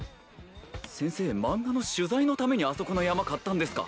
先生マンガの「取材」のためにあそこの山買ったんですか？